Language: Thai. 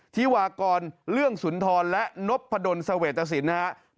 ธิวากรเรื่องสุนทรและนพดลเสวตสินนะครับ